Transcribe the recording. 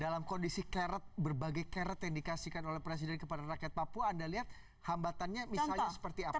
dalam kondisi keret berbagai keret yang dikasihkan oleh presiden kepada rakyat papua anda lihat hambatannya misalnya seperti apa